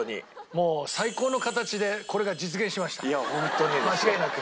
もう最高の形でこれが実現しました間違いなく。